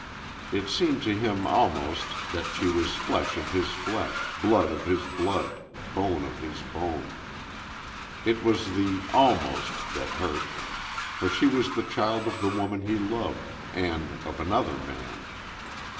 It seemed to him, almost, that she was flesh of his flesh, blood of his blood, bone of his bone. It was the "almost" that hurt; for she was the child of the woman he loved, and of another man....